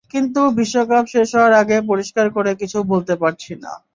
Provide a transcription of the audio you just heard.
কিন্তু বিশ্বকাপ শেষ হওয়ার আগে পরিষ্কার করে কিছু বলতে পারছি না।